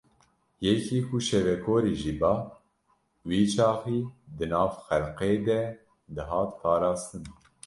Yekî ku şevekorî jî ba, wî çaxî di nav xelkê de dihat parastin.